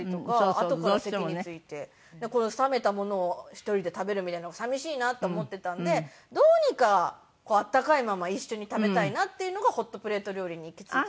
あとから席に着いてこの冷めたものを１人で食べるみたいなのが寂しいなと思ってたんでどうにか温かいまま一緒に食べたいなっていうのがホットプレート料理に行き着いた。